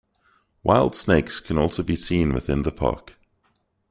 Wild snakes can also be seen within the park.